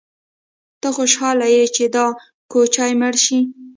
_ته خوشاله يې چې دا کوچۍ مړه شي؟